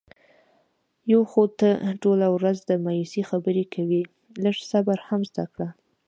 یو خو ته ټوله ورځ د مایوسی خبرې کوې. لږ صبر هم زده کړه.